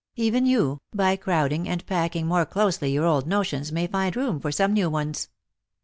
Even you, by crowding and packing more closely your old notions, may find room for some new ones.